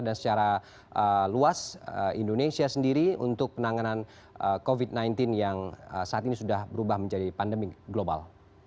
dan secara luas indonesia sendiri untuk penanganan covid sembilan belas yang saat ini sudah berubah menjadi pandemi global